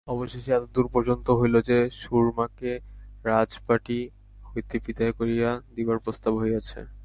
অবশেষে এতদূর পর্যন্ত হইল যে, সুরমাকে রাজবাটী হইতে বিদায় করিয়া দিবার প্রস্তাব হইয়াছে।